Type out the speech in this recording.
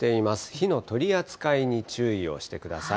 火の取り扱いに注意をしてください。